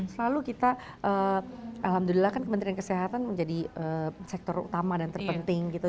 selalu kita alhamdulillah kan kementerian kesehatan menjadi sektor utama dan terpenting gitu